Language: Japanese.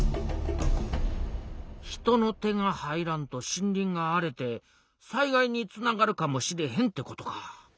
人の手が入らんと森林が荒れて災害につながるかもしれへんってことか。